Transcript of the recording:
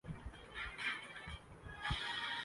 techno mobiles come